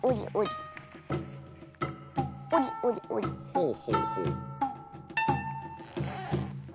ほうほうほう。